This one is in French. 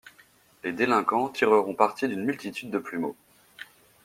Les délinquants tireront parti d'une multitude de plumeaux.